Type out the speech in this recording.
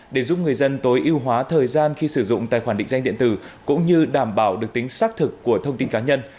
để giúp người dân tối ưu hóa thời gian khi sử dụng tài khoản định danh điện tử cũng như đảm bảo được tính xác thực của thông tin cá nhân